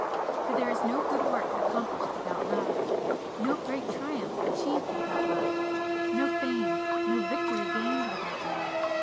For there is no good work accomplished without love, no great triumph achieved without love, no fame, no victory gained without love!